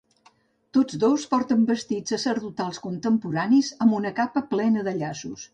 Tots dos porten vestits sacerdotals contemporanis amb una capa plena de llaços.